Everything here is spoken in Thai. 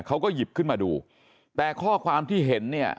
เขาก็หยิบขึ้นมาดูแต่ข้อความที่เห็นเนี่ย